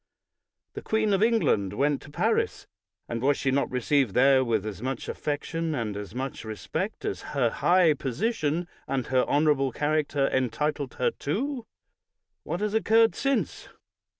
The queen of England went to Paris, and was she not received there with as much affection and as much respect as her high position and her honor able character entitled her to? What has occurred since?